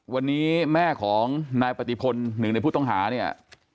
วันนี้แม่ของนายปฏิพลหนึ่งในผู้ต้องหาเนี่ย